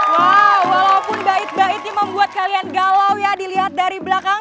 wow walaupun bait bait ini membuat kalian galau ya dilihat dari belakang